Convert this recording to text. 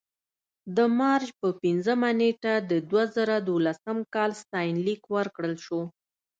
د مارچ په پنځمه نېټه د دوه زره دولسم کال ستاینلیک ورکړل شو.